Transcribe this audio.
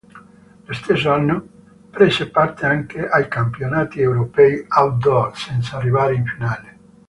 Lo stesso anno prese parte anche ai campionati europei outdoor, senza arrivare in finale.